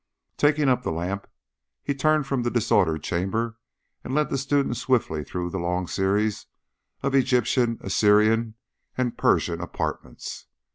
Taking up the lamp, he turned from the disordered chamber, and led the student swiftly through the long series of the Egyptian, Assyrian, and Persian apartments.